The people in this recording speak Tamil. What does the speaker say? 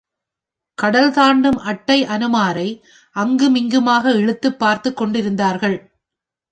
கடல் தாண்டும் அட்டை அனுமாரை அங்குமிங்குமாக இழுத்துப் பார்த்துக் கொண்டிருந்தார்கள்.